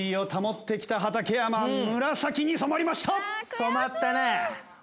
染まったね。